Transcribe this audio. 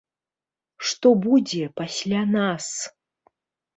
Што будзе пасля нас?